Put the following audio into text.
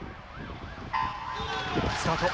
スタート。